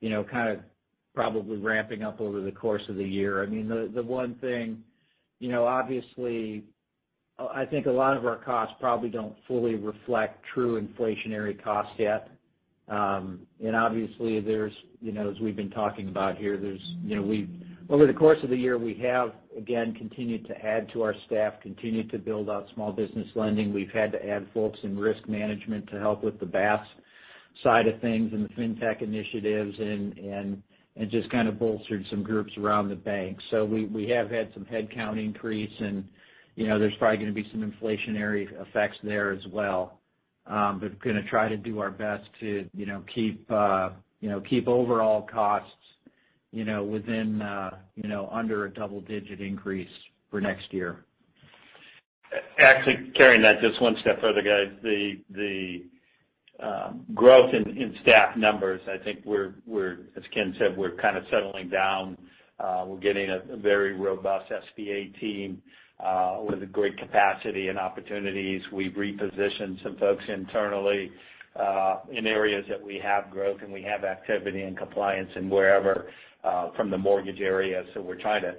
you know kind of probably ramping up over the course of the year. I mean, the one thing, you know, obviously I think a lot of our costs probably don't fully reflect true inflationary costs yet. And obviously, as we've been talking about here, over the course of the year, we have again continued to add to our staff, continued to build out small business lending. We've had to add folks in risk management to help with the BaaS side of things and the fintech initiatives and just kind of bolstered some groups around the bank. We have had some headcount increase and, you know, there's probably gonna be some inflationary effects there as well. We're gonna try to do our best to, you know, keep overall costs, you know, within, you know, under a double digit increase for next year. Actually, carrying that just one step further, guys. The growth in staff numbers, I think, as Ken said, we're kind of settling down. We're getting a very robust SBA team with a great capacity and opportunities. We've repositioned some folks internally in areas that we have growth and we have activity and compliance and wherever from the mortgage area. We're trying to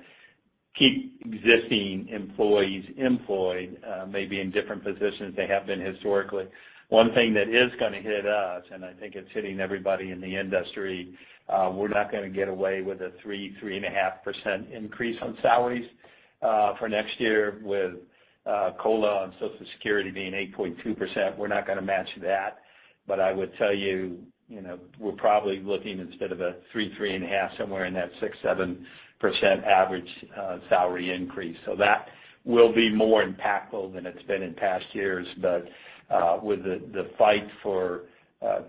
keep existing employees employed, maybe in different positions they have been historically. One thing that is gonna hit us, and I think it's hitting everybody in the industry, we're not gonna get away with a 3.5% increase on salaries for next year. With COLA on Social Security being 8.2%, we're not gonna match that. I would tell you know, we're probably looking instead of a 3-3.5%, somewhere in that 6%-7% average salary increase. That will be more impactful than it's been in past years. With the fight for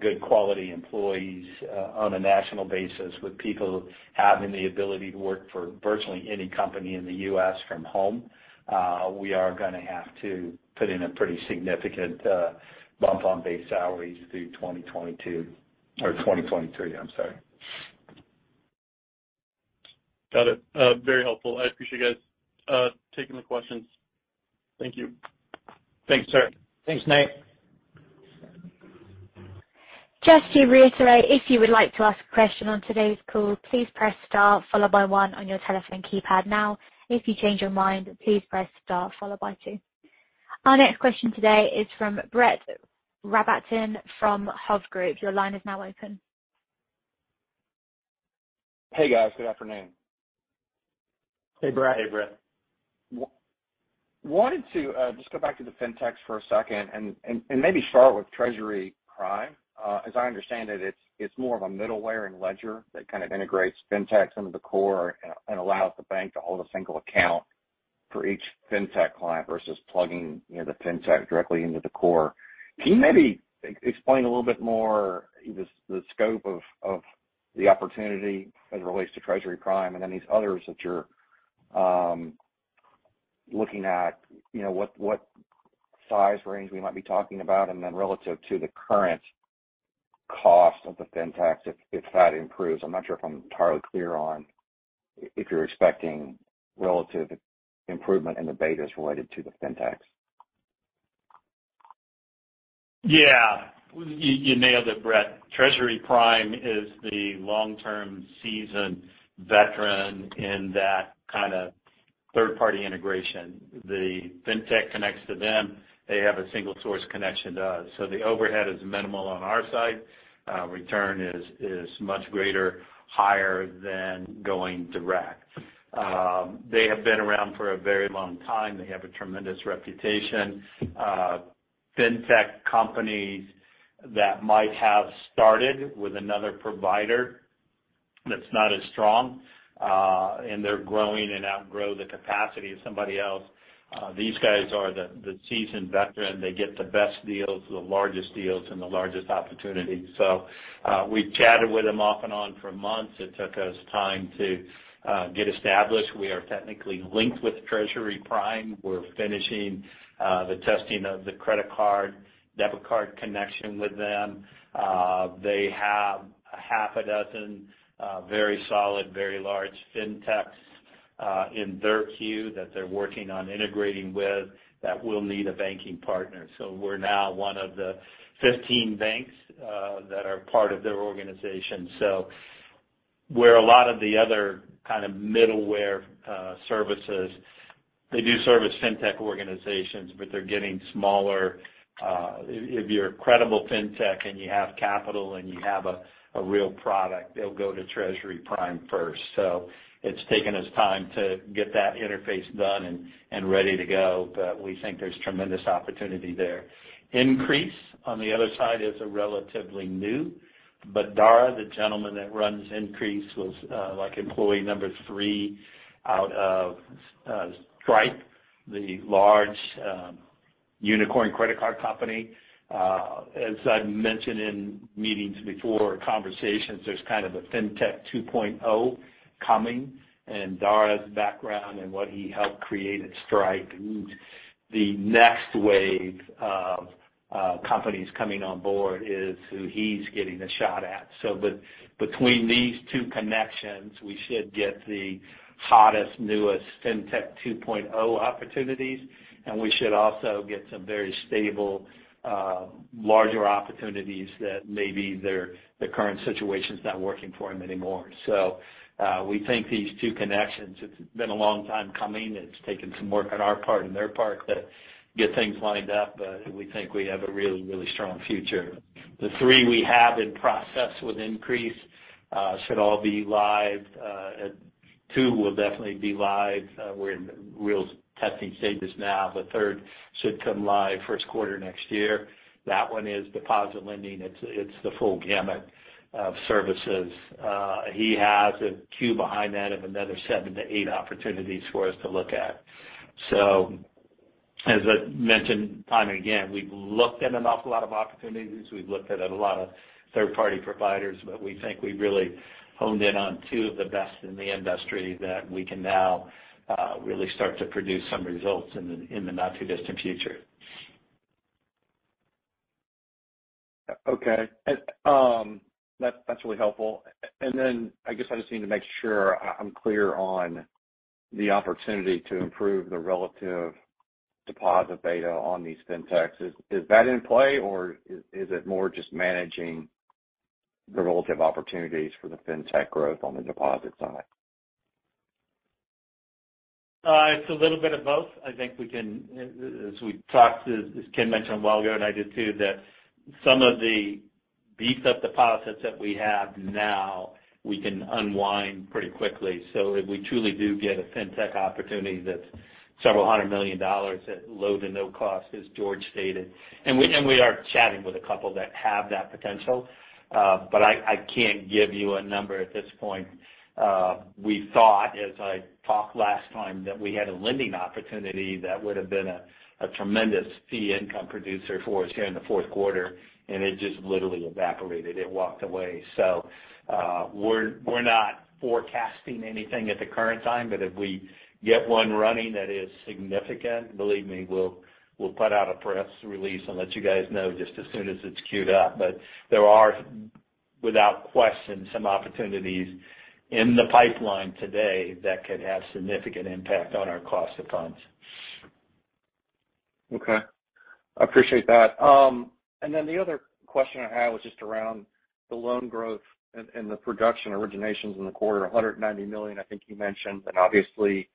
good quality employees on a national basis, with people having the ability to work for virtually any company in the US from home, we are gonna have to put in a pretty significant bump on base salaries through 2022 or 2023, I'm sorry. Got it. Very helpful. I appreciate you guys taking the questions. Thank you. Thanks, sir. Thanks, Nathan. Just to reiterate, if you would like to ask a question on today's call, please press star followed by one on your telephone keypad now. If you change your mind, please press star followed by two. Our next question today is from Brett Rabatin from Hovde Group. Your line is now open. Hey, guys. Good afternoon. Hey, Brett. Hey, Brett. Wanted to just go back to the fintechs for a second and maybe start with Treasury Prime. As I understand it's more of a middleware and ledger that kind of integrates fintechs into the core and allows the bank to hold a single account for each fintech client versus plugging, you know, the fintech directly into the core. Can you maybe explain a little bit more the scope of the opportunity as it relates to Treasury Prime and then these others that you're looking at, you know, what size range we might be talking about? And then relative to the current cost of the fintechs, if that improves. I'm not sure if I'm entirely clear on if you're expecting relative improvement in the betas related to the fintechs. Yeah. You nailed it, Brett. Treasury Prime is the long-term seasoned veteran in that kind of third-party integration. The fintech connects to them, they have a single source connection to us. The overhead is minimal on our side. Return is much greater, higher than going direct. They have been around for a very long time. They have a tremendous reputation. Fintech companies that might have started with another provider that's not as strong, and they're growing and outgrow the capacity of somebody else, these guys are the seasoned veteran. They get the best deals, the largest deals and the largest opportunities. We've chatted with them off and on for months. It took us time to get established. We are technically linked with Treasury Prime. We're finishing the testing of the credit card, debit card connection with them. They have 6 very solid, very large fintechs in their queue that they're working on integrating with that will need a banking partner. We're now one of the 15 banks that are part of their organization. Where a lot of the other kind of middleware services, they do service fintech organizations, but they're getting smaller. If you're a credible fintech and you have capital and you have a real product, they'll go to Treasury Prime first. It's taken us time to get that interface done and ready to go. We think there's tremendous opportunity there. Increase, on the other side, is relatively new. Dara, the gentleman that runs Increase, was like employee number 3 out of Stripe, the large unicorn credit card company. As I've mentioned in meetings before, conversations, there's kind of a FinTech 2.0 coming. Dara's background and what he helped create at Stripe, the next wave of companies coming on board is who he's getting a shot at. Between these two connections, we should get the hottest, newest FinTech 2.0 opportunities, and we should also get some very stable larger opportunities that maybe their current situation's not working for him anymore. We think these two connections, it's been a long time coming. It's taken some work on our part and their part to get things lined up. We think we have a really, really strong future. The 3 we have in process with Increase should all be live. 2 will definitely be live. We're in real testing status now. The third should come live first quarter next year. That one is deposit lending. It's the full gamut of services. He has a queue behind that of another 7 to 8 opportunities for us to look at. As I've mentioned time and again, we've looked at an awful lot of opportunities. We've looked at a lot of third-party providers. We think we've really honed in on two of the best in the industry that we can now really start to produce some results in the not too distant future. Okay. That's really helpful. I guess I just need to make sure I'm clear on the opportunity to improve the relative deposit beta on these FinTechs. Is that in play, or is it more just managing the relative opportunities for the FinTech growth on the deposit side? It's a little bit of both. I think we can, as we've talked, as Ken mentioned a while ago and I did too, that some of the beefed up deposits that we have now, we can unwind pretty quickly. If we truly do get a fintech opportunity that's $several hundred million at low to no cost, as George stated, and we are chatting with a couple that have that potential. I can't give you a number at this point. We thought as I talked last time, that we had a lending opportunity that would have been a tremendous fee income producer for us here in the fourth quarter, and it just literally evaporated. It walked away. We're not forecasting anything at the current time. If we get one running that is significant, believe me, we'll put out a press release and let you guys know just as soon as it's queued up. There are, without question, some opportunities in the pipeline today that could have significant impact on our cost of funds. Okay. I appreciate that. And then the other question I had was just around the loan growth and the production originations in the quarter, $190 million, I think you mentioned. And obviously,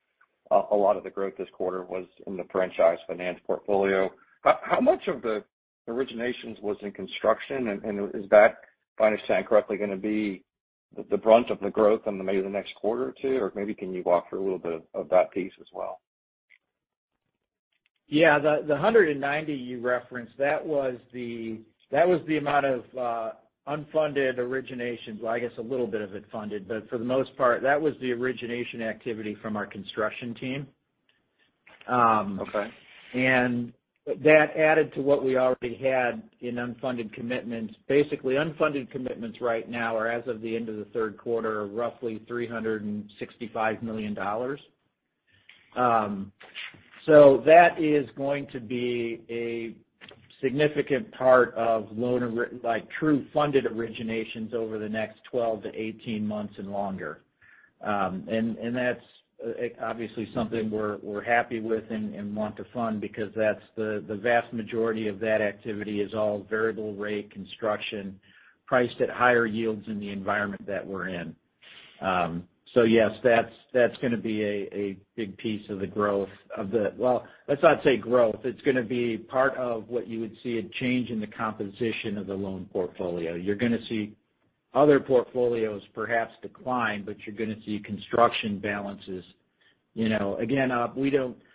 a lot of the growth this quarter was in the franchise finance portfolio. How much of the originations was in construction? And is that, if I understand correctly, gonna be the brunt of the growth in the maybe the next quarter or two? Or maybe can you walk through a little bit of that piece as well? Yeah. The 190 you referenced, that was the amount of unfunded originations. Well, I guess a little bit of it funded. For the most part, that was the origination activity from our construction team. Okay. That added to what we already had in unfunded commitments. Basically, unfunded commitments right now or as of the end of the third quarter are roughly $365 million. So that is going to be a significant part of loan like, true funded originations over the next 12 to 18 months and longer. And that's obviously something we're happy with and want to fund because that's the vast majority of that activity is all variable rate construction priced at higher yields in the environment that we're in. So yes, that's gonna be a big piece of the growth of the. Well, let's not say growth. It's gonna be part of what you would see a change in the composition of the loan portfolio. You're gonna see other portfolios perhaps decline, but you're gonna see construction balances. You know, again,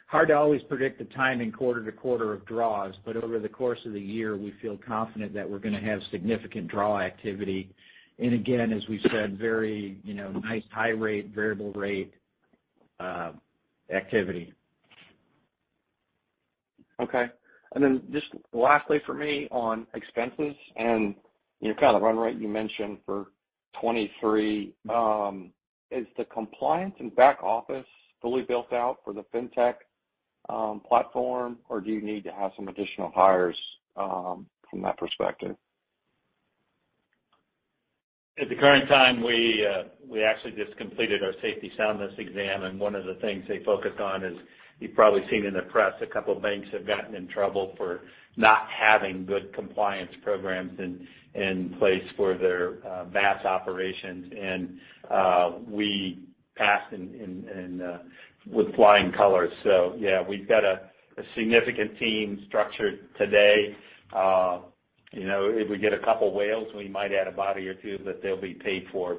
hard to always predict the timing quarter to quarter of draws, but over the course of the year, we feel confident that we're gonna have significant draw activity. Again, as we've said, very, you know, nice high rate, variable rate activity. Okay. Just lastly for me on expenses and, you know, kind of run rate you mentioned for 2023. Is the compliance and back office fully built out for the FinTech platform, or do you need to have some additional hires from that perspective? At the current time, we actually just completed our safety and soundness exam, and one of the things they focused on is you've probably seen in the press, a couple of banks have gotten in trouble for not having good compliance programs in place for their BaaS operations. We passed with flying colors. Yeah, we've got a significant team structured today. You know, if we get a couple of whales, we might add a body or two, but they'll be paid for.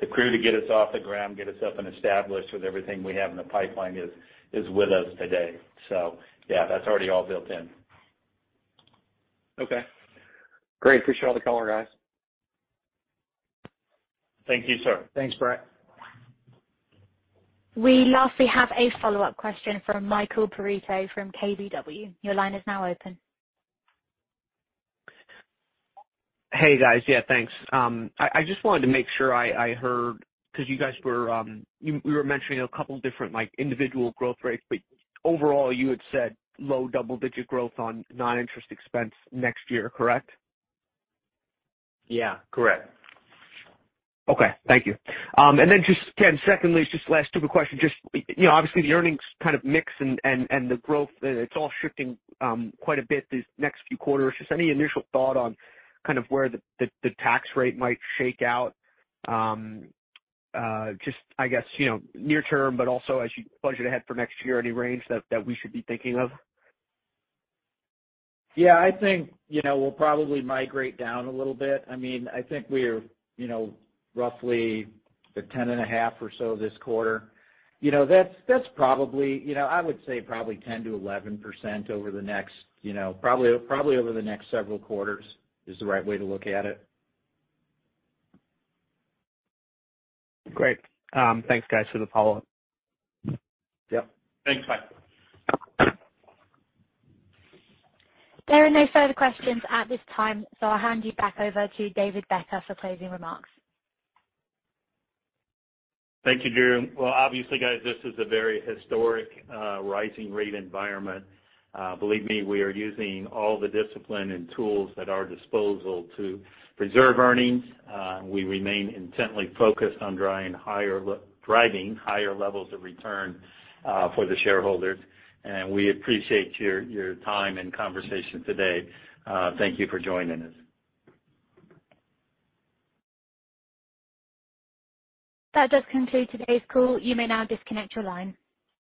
The crew to get us off the ground, get us up and established with everything we have in the pipeline is with us today. Yeah, that's already all built in. Okay, great. Appreciate all the color, guys. Thank you, sir. Thanks, Brett. We lastly have a follow-up question from Michael Perito from KBW. Your line is now open. Hey, guys. Yeah, thanks. I just wanted to make sure I heard because you were mentioning a couple different, like, individual growth rates, but overall, you had said low double-digit growth on non-interest expense next year, correct? Yeah, correct. Okay, thank you. Just, Ken, secondly, just last stupid question. Just, you know, obviously, the earnings kind of mix and the growth, it's all shifting quite a bit these next few quarters. Just any initial thought on kind of where the tax rate might shake out, just I guess, you know, near term, but also as you budget ahead for next year, any range that we should be thinking of? Yeah, I think, you know, we'll probably migrate down a little bit. I mean, I think we're, you know, roughly at 10.5% or so this quarter. You know, that's probably, you know, I would say probably 10%-11% over the next, you know, probably over the next several quarters is the right way to look at it. Great. Thanks, guys for the follow-up. Yep. Thanks, Mike. There are no further questions at this time, so I'll hand you back over to David Becker for closing remarks. Thank you, June. Well, obviously, guys, this is a very historic, rising rate environment. Believe me, we are using all the discipline and tools at our disposal to preserve earnings. We remain intently focused on driving higher levels of return for the shareholders. We appreciate your time and conversation today. Thank you for joining us. That does conclude today's call. You may now disconnect your line.